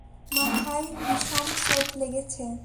মাথায় বিষম চোট লেগেছে।